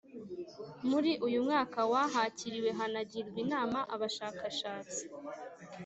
Muri uyu mwaka wa hakiriwe hanagirwa inama abashakashatsi